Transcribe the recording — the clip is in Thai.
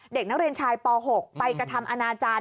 เด็กนักเรียนชายป๖ไปกระทำอนาจารย์